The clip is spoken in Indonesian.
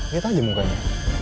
liat aja mukanya